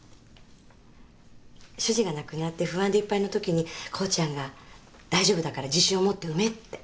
主人が亡くなって不安でいっぱいのときに功ちゃんが大丈夫だから自信を持って産めって。